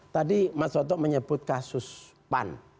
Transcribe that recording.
tadi mas soto menyebut kasus pan